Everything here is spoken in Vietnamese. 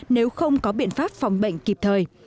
nếu không có biện pháp phòng bệnh kịp thời